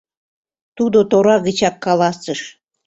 — тудо тора гычак каласыш.